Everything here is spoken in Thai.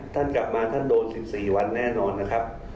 ท่านกลับมาท่านโดน๑๔วันแน่นอนนะครับ